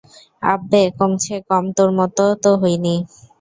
আব্বে, কমছে কম তোর মতো তো হই নি!